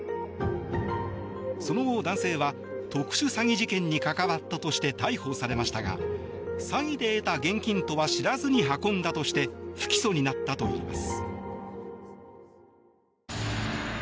その後、男性は特殊詐欺事件に関わったとして逮捕されましたが詐欺で得た現金とは知らずに運んだとして不起訴になったといいます。